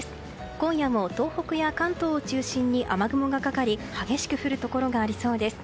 今夜も東北や関東を中心に雨雲がかかり激しく降るところがありそうです。